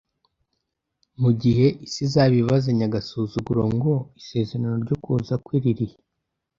Mu gihe isi izaba ibazanya agasuzuguro ngo : «Isezerano ryo kuza kwe riri he?»,